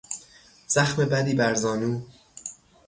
زخم بدی بر زانو